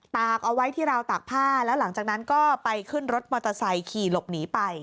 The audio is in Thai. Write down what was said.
ตากเอาไว้ที่ราวตากผ้าแล้วหลังจากนั้นก็ไปขึ้นรถมอเตอร์ไซค์ขี่หลบหนีไป